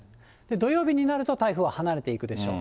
土曜日になると台風は離れていくでしょう。